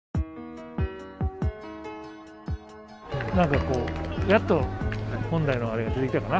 何かこうやっと本来の味が出てきたかな。